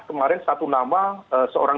kemarin satu nama seorang